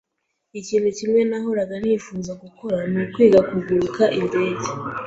Ikintu kimwe nahoraga nifuza gukora nukwiga kuguruka indege.